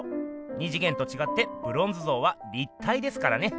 二次元とちがってブロンズ像は立体ですからね。